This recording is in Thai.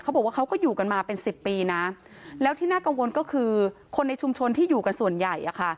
บอกว่าเขาก็อยู่กันมาเป็นสิบปีนะแล้วที่น่ากังวลก็คือคนในชุมชนที่อยู่กันส่วนใหญ่